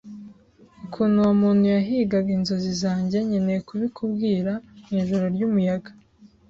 Ukuntu uwo muntu yahigaga inzozi zanjye, nkeneye kubikubwira. Mwijoro ryumuyaga,